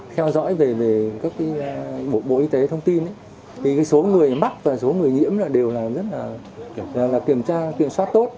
theo dõi về các bộ y tế thông tin số người mắc và số người nhiễm đều là kiểm soát tốt